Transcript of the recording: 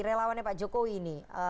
relawannya pak jokowi nih